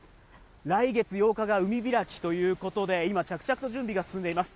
来月８日が海開きということで、今、着々と準備が進んでいます。